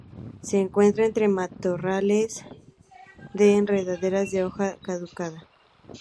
Se encuentra entre matorrales de enredaderas de hoja caduca.